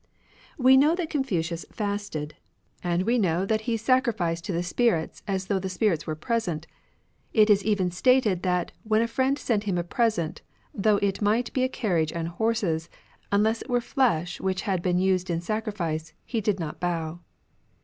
We know that Confucius fasted, and we know 35 RELIGIONS OF ANCIENT CHINA that ^' he sacrificed to the spirits as though the spirits were present ;" it is even stated that '' when a friend sent him a present, though it might be a carriage and horses, unless it were flesh which had been used in sacrifice, he did not bow."